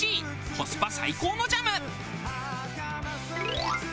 コスパ最高のジャム。